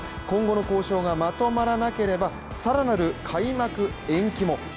今後の交渉がまとまらなければさらなる開幕延期も。